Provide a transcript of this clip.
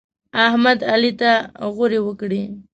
احمد؛ علي ته غورې وکړې.